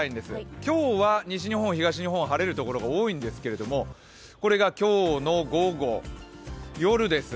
今日、西日本、東日本、晴れる所が多いんですが、これが今日の午後、夜です。